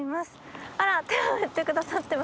あら手を振ってくださってます。